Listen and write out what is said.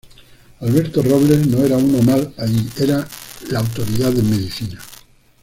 Alberto Robles no era uno más ahí, era la autoridad en medicina.